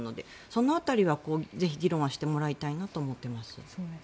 その辺りは、ぜひ議論はしてもらいたいなと思っています。